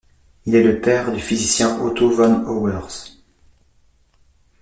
Il est le père du physicien Otto von Auwers.